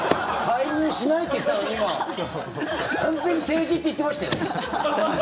介入しないって言ってたのに今、完全に政治って言ってましたよ。